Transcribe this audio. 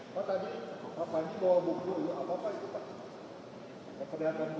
pak tadi pak panji bawa buku apa pak